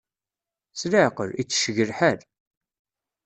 S leɛqel, ittecceg lḥal!